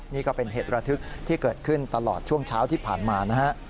นี่ก็เป็นเหตุระทึกที่เกิดขึ้นตลอดช่วงเช้าที่ผ่านมานะฮะ